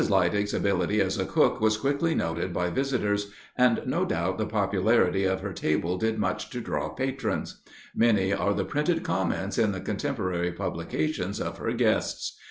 Leidig's ability as a cook was quickly noted by visitors, and, no doubt, the popularity of her table did much to draw patrons. Many are the printed comments in the contemporary publications of her guests.